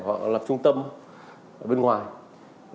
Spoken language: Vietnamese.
hoặc là lập trung tâm bên ngoài